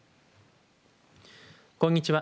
こんにちは。